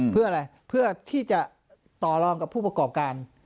เพื่ออะไรเพื่อที่จะต่อรองกับผู้ประกอบการ